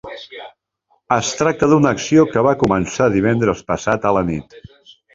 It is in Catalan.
Es tracta d’una acció que va començar divendres passat a la nit.